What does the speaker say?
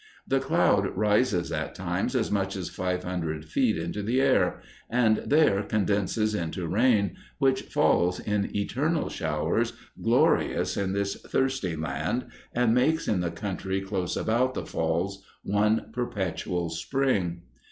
The cloud rises at times as much as five hundred feet into the air, and there condenses into rain, which falls in eternal showers glorious in this thirsty land, and makes in the country close about the Falls one perpetual spring.